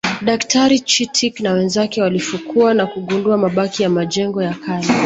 Daktari Chittick na wenzake walifukua na kugundua mabaki ya majengo ya kale